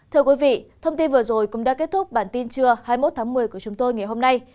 thưa quý vị thông tin vừa rồi cũng đã kết thúc bản tin trưa hai mươi một tháng một mươi của chúng tôi ngày hôm nay